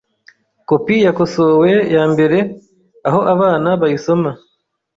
kopi yakosowe ya mbere aho abana bayisoma